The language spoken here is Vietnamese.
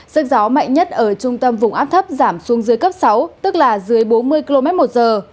sức gió mạnh nhất ở trung tâm vùng áp thấp giảm xuống dưới cấp sáu tức là dưới bốn mươi km một giờ